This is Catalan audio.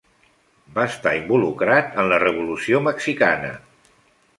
Va estar involucrat en la Revolució Mexicana.